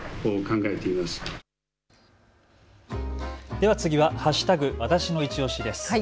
では次は＃わたしのいちオシです。